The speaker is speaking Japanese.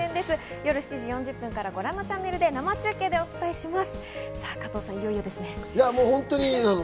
夜７時４０分からご覧のチャンネルで生中継でお伝えします。